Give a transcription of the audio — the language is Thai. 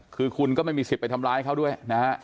คือคุณก็ไม่มีสิทธิ์ไปทำร้ายเขาด้วยนะฮะ